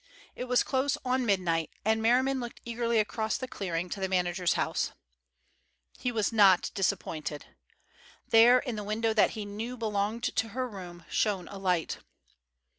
It was close on midnight, and Merriman looked eagerly across the clearing to the manager's house. He was not disappointed. There, in the window that he knew belonged to her room, shone a light.